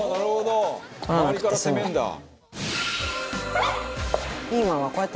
周りから攻めるんだ」